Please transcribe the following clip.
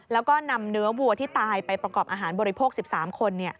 แล้วก็นำเนื้อวัวที่ตายไปประกอบอาหารบริโภค๑๓คน